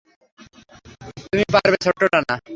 তুমি পারবে, ছোট্ট ডানা?